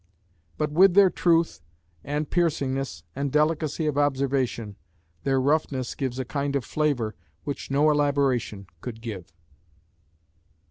But with their truth and piercingness and delicacy of observation, their roughness gives a kind of flavour which no elaboration could give.